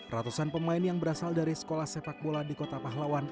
ratusan pemain yang berasal dari sekolah sepak bola di kota pahlawan